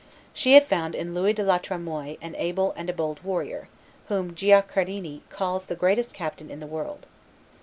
She had found in Louis de la Tremoille an able and a bold warrior, whom Guicciardini calls the greatest captain in the world.